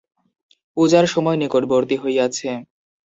পূজার সময় নিকটবর্তী হইয়াছে।